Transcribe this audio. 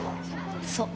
そう。